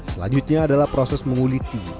selanjutnya adalah proses menguliti